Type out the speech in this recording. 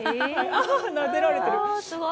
あっ、なでられてる！